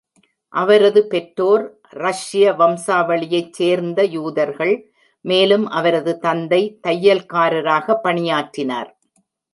அவரது பெற்றோர் ரஷ்ய வம்சாவளியைச் சேர்ந்த யூதர்கள் மேலும் அவரது தந்தை தையல்காரராக பணியாற்றினார்.